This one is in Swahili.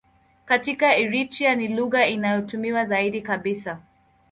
Katika Eritrea ni lugha inayotumiwa zaidi kabisa.